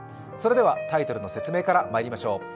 それではタイトルの説明からまいりましょう。